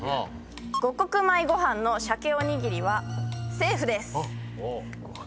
五穀米ごはんの鮭おにぎりはセーフです。